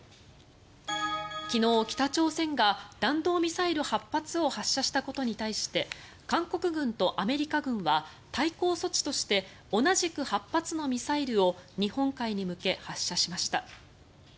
昨日、北朝鮮が弾道ミサイル８発を発射したことに対して韓国軍とアメリカ軍は対抗措置として同じく８発のミサイルを日本海に向け発射しました。